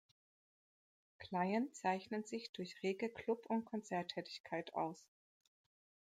Client zeichnen sich durch rege Club- und Konzerttätigkeit aus.